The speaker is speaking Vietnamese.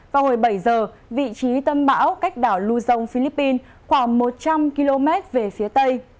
vào hồi bảy giờ vị trí tâm bão cách đảo luzon philippines khoảng một trăm linh km về phía tây